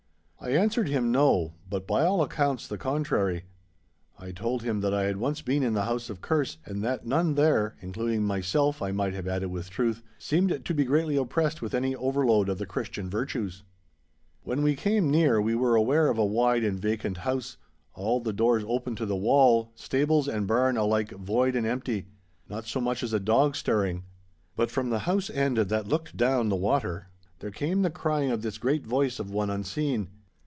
I answered him no, but by all accounts the contrary. I told him that I had once been in the house of Kerse, and that none there (including myself, I might have added with truth) seemed to be greatly oppressed with any overload of the Christian virtues. When we came near we were aware of a wide and vacant house, all the doors open to the wall, stables and barn alike void and empty. Not so much as a dog stirring. But from the house end that looked down the water, there came the crying of this great voice of one unseen.